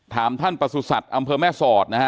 ถามท่านประสุทธิ์สัตว์อำเภอแม่สอด